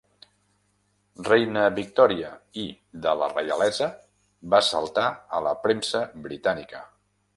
Reina Victòria i de la reialesa va saltar a la premsa britànica.